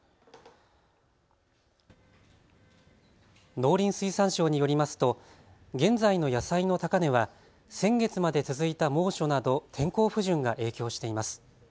農林水産省によりますと現在の野菜の高値は先月まで続いた猛暑など天候不順が影響しています。